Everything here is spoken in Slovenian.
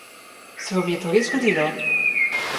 Se vam je to res zgodilo?